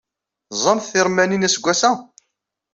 Teẓẓamt tiṛemmanin aseggas-a?